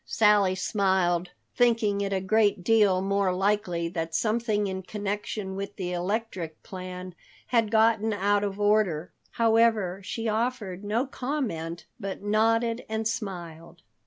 Sally smiled, thinking it a great deal more likely that something in connection with the electric plan had gotten out of order. However, she offered no comment but nodded and smiled.